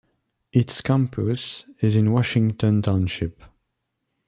Its campus is in Washington Township.